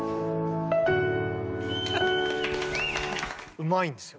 うまいんですよ。